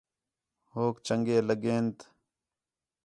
ہوک چَنڳے لڳین تے